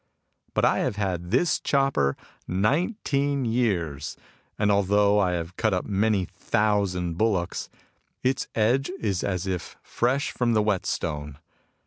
But I have had this chopper nineteen years, and although I have cut up many thousand bullocks, its edge is as if fresh from the whetstone.